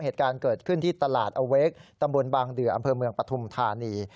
เหตุการณ์เกิดขึ้นที่ตลาดอเวกตำบลบางเดืออำเภอเมืองปฐุมธานี